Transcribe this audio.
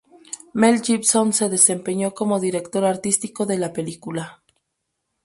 Mel Gibson se desempeñó como director artístico de la película.